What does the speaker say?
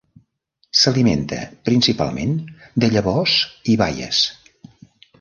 S'alimenta principalment de llavors i baies.